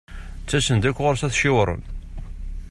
Ttasen-d akk ɣur-s ad t-ciwren.